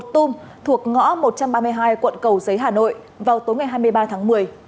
tum thuộc ngõ một trăm ba mươi hai quận cầu giấy hà nội vào tối ngày hai mươi ba tháng một mươi